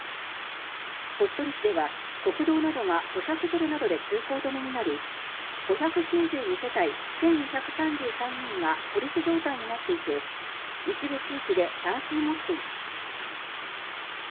鳥取市では、国道などが土砂崩れなどで通行止めになり５９２世帯１２３３人が孤立状態になっていて一部地域で断水も起きています。